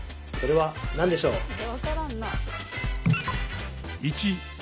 それは何でしょう？